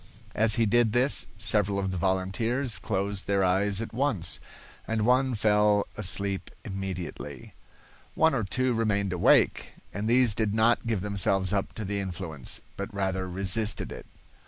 As he did this, several of the volunteers closed their eyes at once, and one fell asleep immediately. One or two remained awake, and these did not give themselves up to the influence, but rather resisted it.